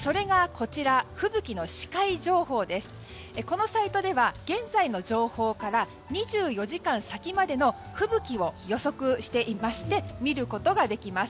このサイトでは現在の情報から２４時間先までの吹雪を予測していまして見ることができます。